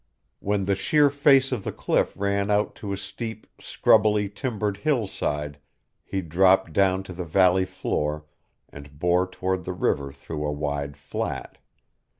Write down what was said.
When the sheer face of the cliff ran out to a steep, scrubbily timbered hillside, he dropped down to the valley floor and bore toward the river through a wide flat.